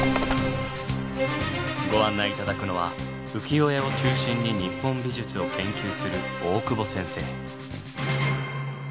ご案内頂くのは浮世絵を中心に日本美術を研究する大久保先生。